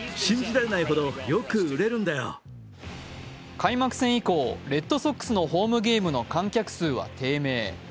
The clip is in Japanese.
開幕戦以降、レッドソックスのホームゲームの観客数は低迷。